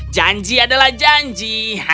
janji adalah janji